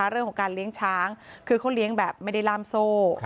เรื่องของการเลี้ยงช้างคือเขาเลี้ยงแบบไม่ได้ล่ามโซ่